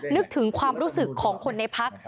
นึกถึงความรู้สึกของคนในพัก